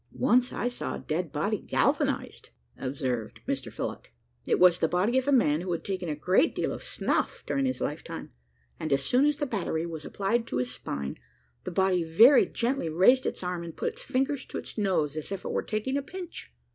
"I once saw a dead body galvanised," observed Mr Phillott: "it was the body of a man who had taken a great deal of snuff during his lifetime, and, as soon as the battery was applied to his spine, the body very gently raised its arm, and put its fingers to its nose, as if it were taking a pinch."